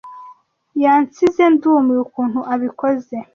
yansize ndumiwe ukuntu abikoze